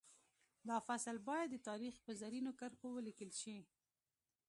دا فصل باید د تاریخ په زرینو کرښو ولیکل شي